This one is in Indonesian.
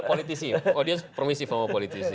oh dia permisi sama politisi